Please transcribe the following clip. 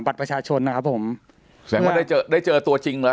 บัตรประชาชนนะครับผมแสดงว่าได้เจอได้เจอตัวจริงเหรอ